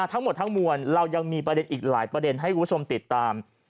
ทั้งหมดทั้งมวลเรายังมีประเด็นอีกหลายประเด็นให้คุณผู้ชมติดตาม